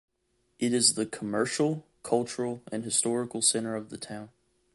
It is the commercial, cultural and historical center of the town.